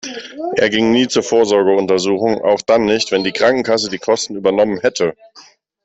Er ging nie zur Vorsorgeuntersuchung, auch dann nicht, wenn die Krankenkasse die Kosten übernommen hätte.